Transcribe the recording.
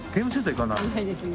行かないですね